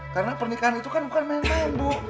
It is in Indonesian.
karena pernikahan itu kan bukan main main bu